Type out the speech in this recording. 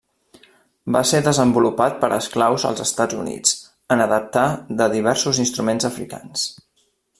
Va ser desenvolupat per esclaus als Estats Units, en adaptar de diversos instruments africans.